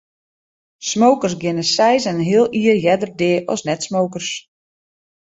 Smokers geane seis en in heal jier earder dea as net-smokers.